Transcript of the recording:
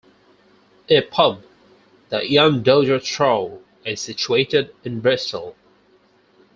A pub, the Llandoger Trow is situated in Bristol.